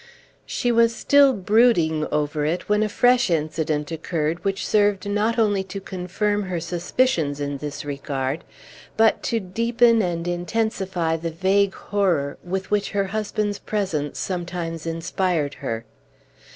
She was still brooding over it when a fresh incident occurred, which served not only to confirm her suspicions in this regard, but to deepen and intensify the vague horror with which her husband's presence sometimes inspired her.